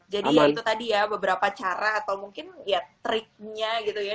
ya itu tadi ya beberapa cara atau mungkin ya triknya gitu ya